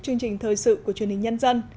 chương trình thời sự của truyền hình nhân dân